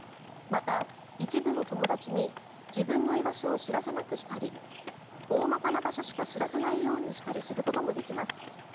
また、一部の友達に自分の居場所を知らせなくしたり大まかな場所しか知らせないようにしたりすることもできます。